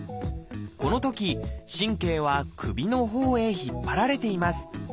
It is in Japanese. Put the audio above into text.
このとき神経は首のほうへ引っ張られています。